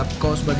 aku mau ke rumah